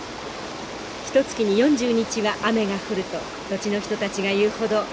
ひとつきに４０日は雨が降ると土地の人たちが言うほどよく降ります。